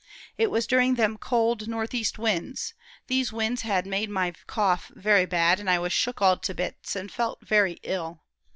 It was during them cold, northeast winds; these winds had made my cough very bad, an' I was shook all to bits, and felt very ill.